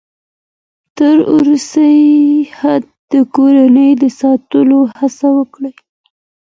تر وروستي حده د کورنۍ د ساتلو هڅه وکړئ.